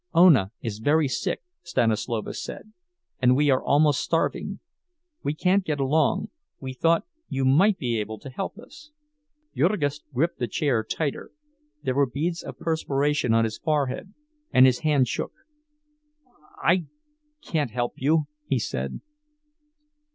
"Ona is very sick," Stanislovas said; "and we are almost starving. We can't get along; we thought you might be able to help us." Jurgis gripped the chair tighter; there were beads of perspiration on his forehead, and his hand shook. "I—can't help you," he said.